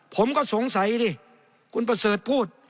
ผมก็สงสัยดิคุณประเสริฐพูด